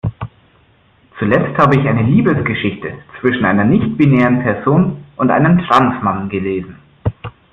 Zuletzt habe ich eine Liebesgeschichte zwischen einer nichtbinären Person und einem Trans-Mann gelesen.